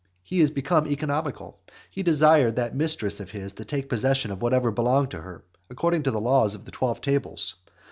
He is become economical. He desired that mistress of his to take possession of whatever belonged to her, according to the laws of the Twelve Tables.